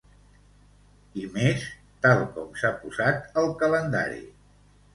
I més tal com s’ha posat el calendari.